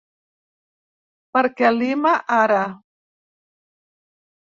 Perquè Lima ara...